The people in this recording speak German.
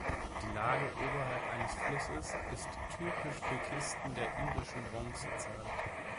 Die Lage oberhalb eines Flusses ist typisch für Kisten der irischen Bronzezeit.